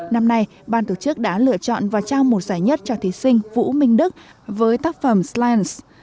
năm nay ban tổ chức đã lựa chọn và trao một giải nhất cho thí sinh vũ minh đức với tác phẩm slands